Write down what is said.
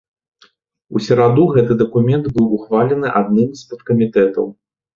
У сераду гэты дакумент быў ухвалены адным з падкамітэтаў.